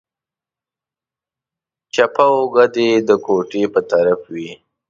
چپه اوږه دې د کوټې په طرف وي.